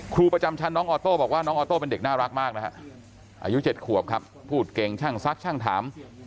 ครูประจำชั้นน้องออโต้บอกว่าน้องออโต้เป็นเด็กน่ารักมากนะฮะอายุ๗ขวบครับพูดเก่งช่างซักช่างถาม